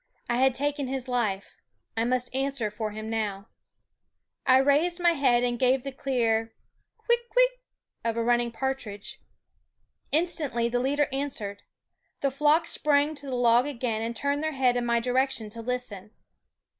I had taken his life; I must answer for him now. I raised my head and gave the clear whit kwit of a running partridge. Instantly the leader answered ; the flock sprang to the log again and turned their heads in my direction to listen.